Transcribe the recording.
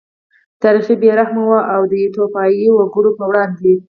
تاریخ بې رحمه و د ایتوپیايي وګړو په وړاندې.